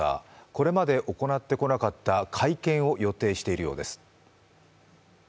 これまで行ってこなかった会見を予定しているようです。